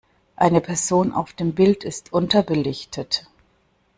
Eine Person auf dem Bild ist unterbelichtet.